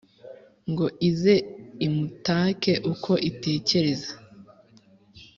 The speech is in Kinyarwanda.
ngo ize imutake uko itekereza ;